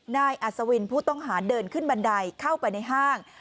อัศวินผู้ต้องหาเดินขึ้นบันไดเข้าไปในห้าง